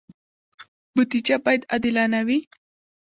بودجه باید عادلانه وي